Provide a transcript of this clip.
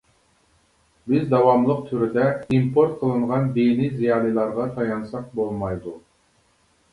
بىز داۋاملىق تۈردە ئىمپورت قىلىنغان دىنى زىيالىيلارغا تايانساق بولمايدۇ.